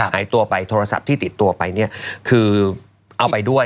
หายตัวไปโทรศัพท์ที่ติดตัวไปเนี่ยคือเอาไปด้วย